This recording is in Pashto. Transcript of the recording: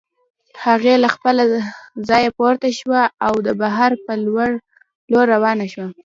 هغې له خپله ځايه پورته شوه او د بهر په لور روانه شوه.